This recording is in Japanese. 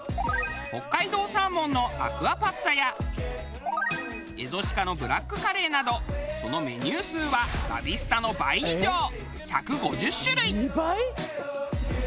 北海道サーモンのアクアパッツァやエゾ鹿のブラックカレーなどそのメニュー数はラビスタの倍以上１５０種類！